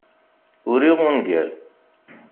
Uriɣ ungal.